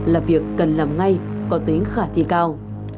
là việc cần làm ngay có tính khả thi cao